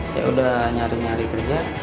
saya udah nyari nyari kerja